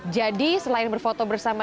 jadi selain berfoto bersama